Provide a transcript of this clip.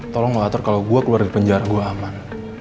tolong lo atur kalo gue keluar dari penjara gue aman